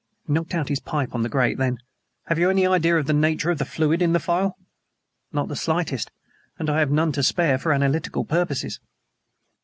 He knocked out his pipe on the grate. Then: "Have you any idea of the nature of the fluid in the phial?" "Not the slightest. And I have none to spare for analytical purposes."